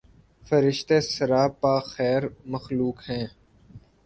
فرشتے سراپاخیر مخلوق ہیں